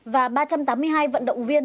và ba trăm tám mươi hai vận động viên